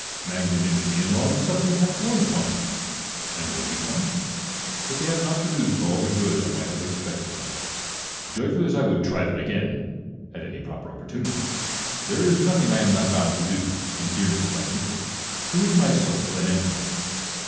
Mag nanimity and long suffering have grown upon me, and well become me ; but they have not produced all the good I might have expected from them. Joyfully as I. would try them again, at any proper opportunity, there is nothing I am not bound to do, in dearness to my people, to rid myself of an enemy.